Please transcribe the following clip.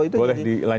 itu jadi masalah